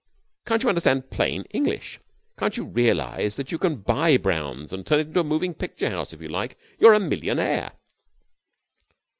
Can't you understand plain English? Can't you realize that you can buy Brown's and turn it into a moving picture house if you like? You're a millionaire!'